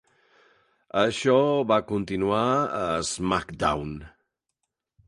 Això va continuar a "SmackDown!".